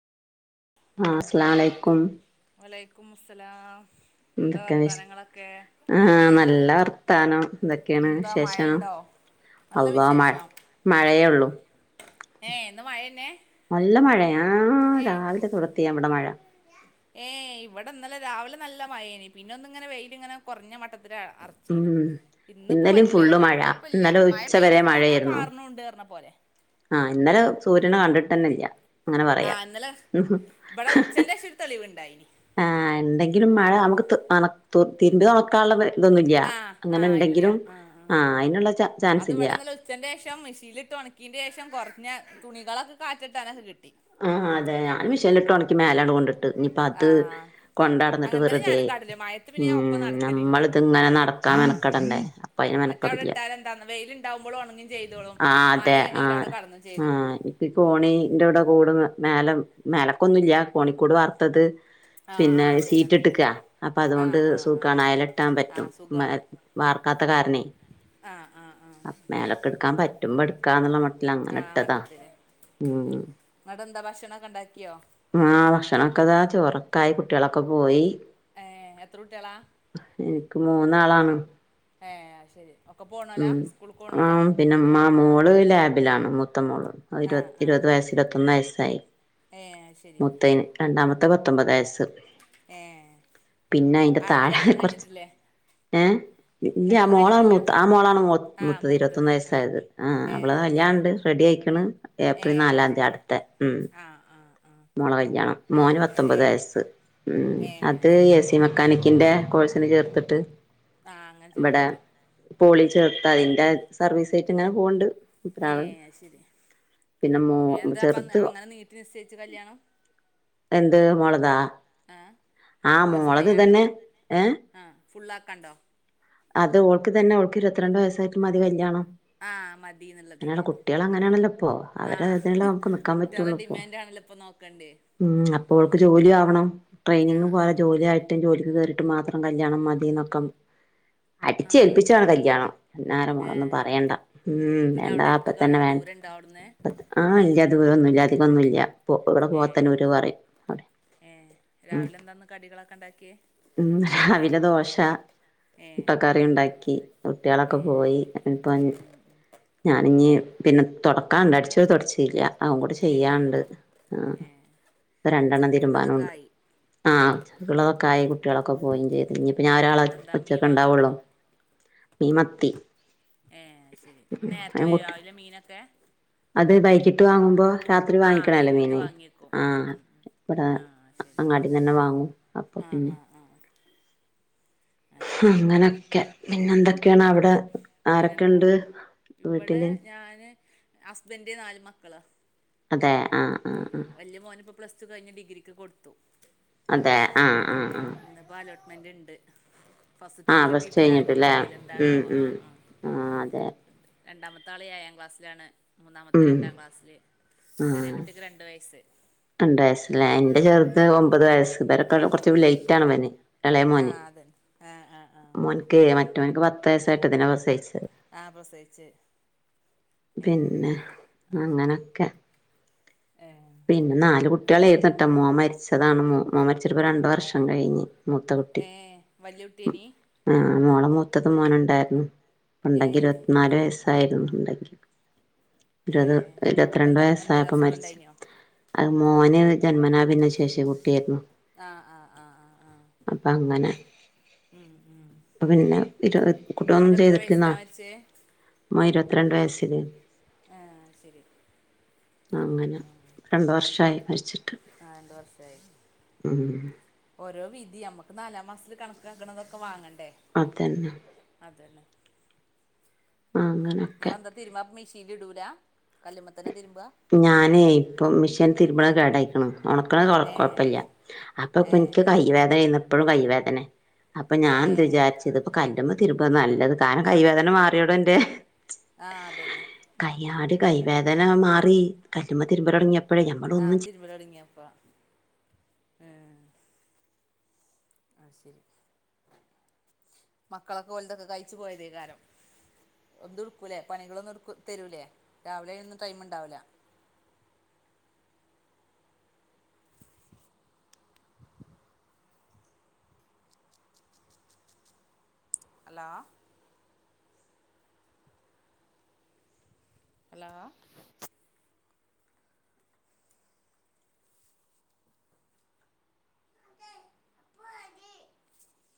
ആഹ് അസ്സലാം അലൈക്കു വലൈക്കു മുസ്സലാം. എന്താ എന്തൊക്കെ വിശ് വർത്താനങ്ങളൊക്കെ ആഹ് നല്ല വർത്താനം എന്തൊക്കെയണ് എന്താ വിശേഷം മഴയുണ്ടോ നല്ല അള്ളാ മഴ മഴയേള്ളു. ഏഹ് ഇന്ന് മഴന്നെ നല്ല മഴയാ ആഹ് രാവിലെ തൊടത്തിയ ഇവിടെ മഴ ഏഹ് ഇവിടെന്നലെ രാവിലെ നല്ല മഴേനി പിന്നെ ഒന്ന്ങ്ങനെ വെയിലങ്ങനെ കൊറഞ്ഞ മട്ടത്തിര് അർ ഉം ച്ചിനു ഇന്ന് ഇപ്പോ ഇന്നലെയും ഫുള്ള് വല്ല്യോരു മഴ കൊഴപ്പില്ല ഇന്നലെ മഴ ഉച്ച വരെ പെയ്തിട്ടില്ല എന്നാ മഴയായിരുന്നു പാർണുണ്ട് പറഞ്ഞ പോലെ. ആഹ് ഇന്നലെ സൂര്യനെ കണ്ടിട്ടെന്നെ ഇല്ല്യ അങ്ങനെ ആ പറയാ ഇന്നലെ ഇവിടെ ഉച്ചൻ്റെ ശേഷം ഒരു തെളിവുണ്ടായിനി ആഹ് എന്തെങ്കിലും മഴ നമുക്ക് ത്. ആഹ് ണ തുർ തിരിമ്പിത്ഒ ക്കനുള്ള ഇതൊന്നുല്ല്യ ആ ആ അങ്ങനെ ഇല്ല ഉണ്ടെങ്കിലും ആ ആഹ് അയിനുള്ള ച്ച ചാൻസ് ഇല്ല്യ. ഉച്ചന്റെഷം മിഷീൽട്ട് ഒണക്കിന്റെഷം കൊറഞ്ഞ തുണികളൊക്കെ കാറ്റ് ഇട്ടാനൊക്കെ കിട്ടി ആഹ് അതെ ഞാൻ ഉം. മിഷീൽട്ട് ഒണകി മേലാണ്ട് കൊണ്ട് ഇട്ട് ഇനിയിപ്പാ അത് ആഹ് കൊണ്ടടന്നിട്ട് അങ്ങനെ തന്നെ വെറുതെ ഞാനും കാട്ടല് മഴയത്ത് പിന്നെ ഞാൻ ഒപ്പം ഉം നടക്കലില്ല നമ്മള്ത്ങ്ങനെ നട. അക്കാ ആഹ് മെനക്കടണ്ടേ ഉം അപ്പായിന് മറ്റേ അവിടെ മെനക്കടുല്ല്യ ഇട്ടാൽ എന്താന്ന് വെയിലുണ്ടാവുമ്പോളും ഉണങ്ങും ചെയ്തോളും ആഹ് അതെ മഴയാണെങ്കിൽ ആഹ് അവിടെ കടന്നും ചെയ്തോളും ആഹ് ഈ കോണിന്റെ കടെ കൂട് മേല മേലക്കൊന്നുല്ല്യ കോണിക്കൂട് വാർ ത്തത്.. ആഹ് പിന്നെ ആഹ് ഈ അതന്നെ സീറ്റ് അതന്നെ ഇട്ട്ക്കാ അപ്പൊ അതുകൊണ്ട്. ആഹ് ആഹ് ആഹ് സൂക്കണ അയല ഇട്ടാൻ പറ്റും ആഹ് സുഖാണ് വാർക്കാത്ത കാരണേ ആഹ് ആഹ് ആഹ് അപ് മേലടുക്കാൻ പറ്റുമ്പോ എടുക്കാന്നുള്ള മട്ടില് അങ്ങനെ ഇട്ടതാ ഉം അവിടെ എന്താ ഭക്ഷണക്കെ ഉണ്ടാക്കിയോ ആഹ് ഭഷണൊക്കെതാ ചോറൊക്കായി കുട്ടിളൊക്കെ പോയി.. എഹ് എത്ര കുട്ട്യോളാ എനിക്ക് മൂന്നാളാണ് ഏഹ് അഹ്ശരി. [unintelligible] സ്കുളു.. ആഹ് പിന്നെ മ്മാ മോള് ലാബിലാണ് മുത്ത മോള്. അത് ആഹ് ഇരുവത് ആഹ് ഇരുവത് ആഹ് വയസ് ഇരുവത്തൊന്ന് വയസ്സായി. ഏഹ് അഹ് ശരി. ത്തയിന് രണ്ടാമത്തെ പത്തൊമ്പത് വയസ്സ്. ഏഹ് പിന്നെ അയിന്റെ ആർക്കും താഴെ ഏഹ് കല്യാണം കൊറച്ച്. കഴിഞ്ഞിട്ടില്ലേ ഏഹ് ഇല്യ കല്യാണം മോള മു കഴിഞ്ഞിട്ടില്ല ത്ത ആഹ് മോളാണ് മു ആ മുത്തത് മൂത്തത് ഇരുപത്തൊന്ന് ആ വയസ്സായത് ആഹ് ഏ അവള അത് ശരി കല്യാണണ്ട് റെഡി ആയിക്ണ്. ഏപ്രിൽ നാലാന്തി അടുത്തെ ഉം ആഹ് ആഹ് ആഹ് മോള കല്യാണം മോന് പത്തൊമ്പത് വയസ്സ് ഉം ഏ അത് ശരി എ സി മെക്കാനിക്കിന്റെ കോഴ്സ് ചേർത്തിട്ട് ആ അങ്ങനെ ഇവടെ. ചേർത്തിട്ട് പോളി ചേർത്ത അയിന്റെ സർവീസറ്റ് ഇങ്ങനെ പോണ്ട്. മൂപ്പരാള് ഏഹ് അഹ് ശരി പിന്നെ മോ ഏഹ് എന്താപ്പ ചെറുത് അങ്ങനെ നീട്ടി നിസ്സയിച്ച് കല്യാണം. എന്ത് മൊളതാ ആ ആഹ് മോളത് ഇത് തന്നെ ഏഹ് ആഹ് ഫുള്ളക്കാണ്ടോ. അത് ഓൾക്ക് തന്നെ അവൾക്ക് ഇരുപത്തി രണ്ട് വയസ്സായിട്ട് മതി കല്യാണം. ആഹ് അങ്ങനെയുള്ള മതിന്ന്ള്ളതില് കുട്ടികൾ അങ്ങനെയാണല്ലോ ഇപ്പോ അവരെ ആഹ് ഇതിനല്ലേ നമുക്ക് നിക്കാൻ കുട്ടിളെ പറ്റുള്ളൂ ഇപ്പോ ഡിമാൻഡണല്ലോ ഇപ്പ നോ ക്കണ്ടെ. ഉം അപ്പോ ഓൾക്ക് ജോലി ആവണം ആ ട്രെയിനിങ്ങ് പോര ആ ജോലിയ ട്ടി ജോലി കേറിട്ട് മാത്രം കല്യാണം മതിന്നൊക്കം. ആ അടിച്ച അത് ഏൽപ്പിച്ചണം ശരി കല്യാണം അന്നാര ഏ മോളൊന്നും പറയണ്ട ഉം എന്നിട്ട് വേണ്ട അവിടെ എടുത്ത് അപ്പ കാണോ തന്നെ ദൂരം ഉണ്ടോ അവിടുന്ന് വേണ്ട ആഹ് ഇല്ല ദൂരൊന്നുംല്ല അധികന്നുല്ല ഇവിടെ പോത്തന്നോര് പറയും അവിടെ ഏഹ് ഉം രാവിലെ എന്താന്ന് കടികളൊക്കെ ഇണ്ടാക്കിയേ രാവിലെ ദോശ ഏ മുട്ടക്കറി ഉണ്ടാക്കി ഏ കുട്ടികളൊക്കെ അത് പോയി ശരി അനിപ്പോ ഞാനിഞ്ഞ് പിന്നെ തുടക്കാണ്ട് അടിച്ചടി തുട ചില്ല അതും കൂടി ഏ ചെയ്യാണ്ട് ഏ രണ്ടെണ്ണം ഉച്ചക്കക്കുള്ളതൊക്കെ തീരിമ്പാനുണ്ട് ആയി ആഹ് ഉള്ളതൊക്കെ ആയി കുട്ടികളൊക്കെ പോയിയും ചെയ്ത് ഇനിപ്പൊ ഞാൻ ഏ ഒരാളെ ഇന്നെന്താ മീൻ ഒറ്റെക്കെ ഇണ്ടാവുള്ളൂ വാങ്ങിക്കണോ മീമത്തി എന് ശരി അപ്പൊ നേരത്തെ വരോ കുട്ടി രാവിലെ മീനൊക്കെ അത് വൈകിട്ട് വാങ്ങുമ്പോ രാത്രി ആഹ് വാങ്ങിക്കണല്ലോ വൈകീട്ട് മീന് വാങ്ങിയക്കും ഉം ആഹ് ഉം ഇവിടെ ആഹ് ശരി അങ്ങാടിന്നന്നെ വാങ്ങും അപ്പൊ ആഹ് പിന്നെ ആഹ് ആഹ് അങ്ങനെക്കെ പിന്നെ എന്തൊക്കെയാണ് അവിടെ ആരൊക്കെ പിന്നെന്താ ഉണ്ട് ഇവിടെ വീട്ടില് ഞാന് ഹസ്ബൻഡ് നാല് മക്കളാ അതെ ആഹ് ആഹ് ആഹ് ഉം വല്യ മോന് ഇപ്പ പ്ലസ് ടു കഴിഞ്ഞ ഡിഗ്രിക് കൊടുത്തു അതെ ആഹ് ഉ ആഹ് ആഹ് ഇപ്പോഅലോട്ട്മെന്റ് ഇണ്ട് ഫസുത്തില് ആഹ് ഫസ്റ്റ് കിട്ടിയിട്ടില്ല കഴിഞ്ഞിട്ടില്ലേ ഇന്നത്തില് ഉം എന്താണവാ ആ ആഹ് ഉം ആഹ് അതെ രണ്ടാമത്തെ ആളി ഏയാം ക്ലാസ്സിലാണ് മൂന്നാമത്തെ രണ്ടാം ക്ലാസ്സിില് ഉം കുട്ടിക്ക് രണ്ട് വയസായി രണ്ട വയസ്സല്ലേ എന്റെ ചെറുത് ഒമ്പത് വയസ്സ് ഇവരെക്ക കുറച്ച ലേറ്റ് ആണ് അവന് ഇളയ മോന് ആഹ് അതന്നെ ആഹ് ആഹ് ആഹ് മോനക്ക് മറ്റ മോനക്ക് പത്ത വയസായിട്ട് ഇതിന പ്രസവ്ച്ച ആഹ് പ്രസവിച്ച് ഏഹ് പിന്നെ അത് ശരി അങ്ങനൊക്കെ ഏഹ് പിന്നെ നാല് കുട്ടികൾയിര്ന്ട്ടാ മോൻ മരിച്ചതാണ് മോൻ മരിച്ചട്ടപ്പോ രണ്ട വർഷം കഴിഞ്ഞ് മൂത്ത കുട്ടി ഏഹ് വല്യ കുട്ടിയേനി ആഹ് മോളെ മൂത്തത് മോനുണ്ടായിരുന്നു ഉണ്ടെങ്കിൽ ഏഹ് ഇരുപത്തിനാല് വയസ്സായിരുന്നുണ്ടെങ്കിൽ ഇരുപത് ഏഹ് അപ്പൊ ഇരുപത്തിരണ്ട് എന്താ എന്തേലും വയസ്സായപ്പോ അസുഖം മരിച്ചു ഉണ്ടായിനോ അത് മോന് ജന്മനാ ദിന്ന ശേഷി കുട്ടിയായിരുന്നു ആഹ് ആഹ് ആഹ് ആഹ് ആഹ് അപ്പ അങ്ങനെ ഉം ഉം അ പിന്നെ കുട്ടിക ഒന്നും ഇങ്ങട്ട് എത്ര ചെയ്തിട്ടന്നാ വയസ്സിലാ മരിച്ചേ മ ഇരുപത്തി രണ്ട് വയസില് ആഹ് ശരി അങ്ങനെ രണ്ട വർഷായി മരിച്ചിട്ട് ആ രണ്ട വർഷ ആയി ഉം ഓരോ വിതി നമുക്ക് നാലാം മാസത്തിൽ കണക്കാക്കണതൊക്കെ വാങ്ങണ്ടേ അതന്നെ അതല്ലെ ആ അങ്ങനെ നിങ്ങെന്താതിരുമ്പ മെഷീനിൽ ഇടൂല കല്ലുമ്പ തന്നെ തിരുമ്പ ഞാനേ ഇപ്പൊ മിഷീൻ തിരുമ്പള കേടായിക്ണ്ഉണക്ക ഏ കുഴപ്പില്ല ഏ അപ്പൊ ഇൻക്ക് ഏ ഏ കൈവേദന എപ്പളും കൈവേദന അപ്പൊ ഏ ഞാൻ ന്ത് വിചാരിച്ച ഇതിപ്പോ കല്ലുമ്പോ തിരുമ്പ നല്ലത് കാരണം കൈവേദന മാറിയോട എന്റെ ആ അതന്നെ കയ്യാട് കൈവേദന മാറി കല്ലുമ തിരുമ്പല് തുടങ്ങിയപ്പ ആഹ് തിരുമ്പല് ഒടങ്ങിയപ്പ ഉം ആ ശരി മക്കളൊക്കെ കൊലതൊക്കെ കഴിച്ചു പോയതേക്കാ രം ഒന്നും എടുക്കൂല്ലേ പണികളൊന്നും എടു തരൂലേ രാവിലെ അയിനൊന്നും ടൈം ഉണ്ടാവില്ല ഹലോ ഹലോ [inaudible]